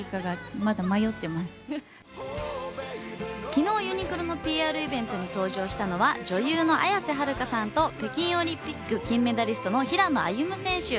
昨日、ユニクロのＰＲイベントに登場したのは女優の綾瀬はるかさんと北京オリンピック金メダリストの平野歩夢選手。